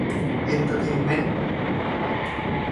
เอนเตอร์เทนเม้นท์